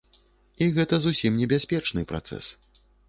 І гэта зусім не бяспечны працэс.